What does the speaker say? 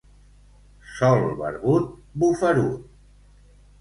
Sol barbut, bufarut.